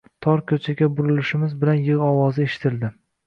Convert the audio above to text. Tor ko‘chaga burilishimiz bilan yig‘i ovozi eshitildi.